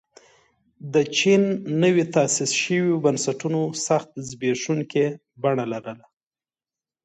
د چین نویو تاسیس شویو بنسټونو سخته زبېښونکې بڼه لرله.